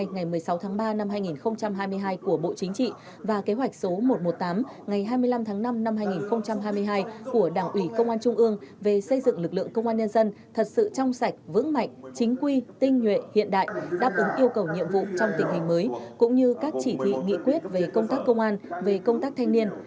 ngày một mươi sáu tháng ba năm hai nghìn hai mươi hai của bộ chính trị và kế hoạch số một trăm một mươi tám ngày hai mươi năm tháng năm năm hai nghìn hai mươi hai của đảng ủy công an trung ương về xây dựng lực lượng công an nhân dân thật sự trong sạch vững mạnh chính quy tinh nhuệ hiện đại đáp ứng yêu cầu nhiệm vụ trong tình hình mới cũng như các chỉ thị nghị quyết về công tác công an về công tác thanh niên